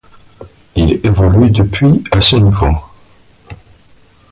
Il évolue depuis à ce niveau.